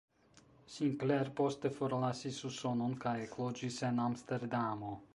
Sinclair poste forlasis Usonon kaj ekloĝis en Amsterdamo.